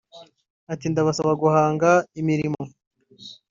Ati” Ndabasaba guhanga imirimo